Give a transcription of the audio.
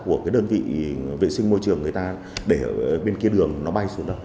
của cái đơn vị vệ sinh môi trường người ta để ở bên kia đường nó bay xuống đâu